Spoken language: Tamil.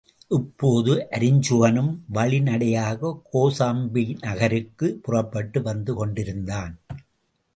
இப்போது அருஞ்சுகனும் வழிநடையாகக் கோசாம்பி நகருக்குப் புறப்பட்டு வந்து கொண்டிருந்தான்.